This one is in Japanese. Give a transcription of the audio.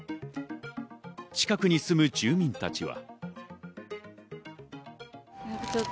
近くに住む住民たちは。